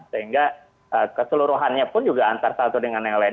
sehingga keseluruhannya pun juga antara satu dengan yang lain